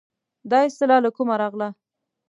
دا اصطلاح له کومه راغله.